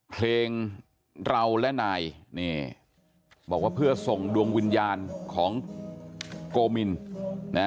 เพลงเราและนายนี่บอกว่าเพื่อส่งดวงวิญญาณของโกมินนะ